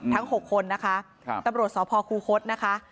ทั้ง๖คนนะคะตำรวจสอบพครูโค๊ตนะคะ